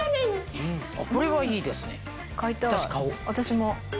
私も。